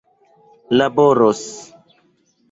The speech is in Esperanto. laboros